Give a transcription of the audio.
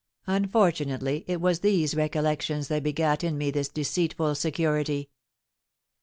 Unfortunately it was these recollections that begat in me this deceitful security."